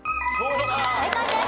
正解です。